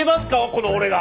この俺が！